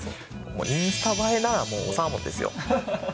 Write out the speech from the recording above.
インスタ映えなもうサーモンですよ。